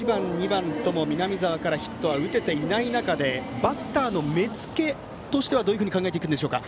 番とも南澤からヒットは打てていない中バッターの目付けとしてはどういうふうに考えますか？